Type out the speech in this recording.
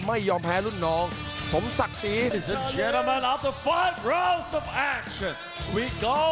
ไม่ยอมแพ้รุ่นน้องผมศักดิ์ศรี